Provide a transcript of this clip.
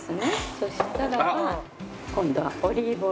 そしたらば今度はオリーブオイル。